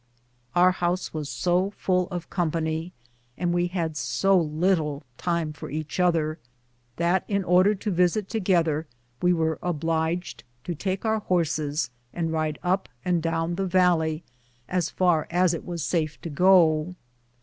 Our house was so full of company, and we had so little time for each other, that in order to visit together 844 BOOTS AND SADDLES. we were obliged to take our horses, and ride up and down the valley as far as it was safe to go.